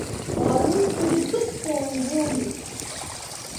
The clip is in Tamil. வாழும் துடிப்புத் தோன்றும்!